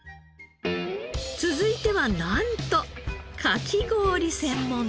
続いてはなんとかき氷専門店。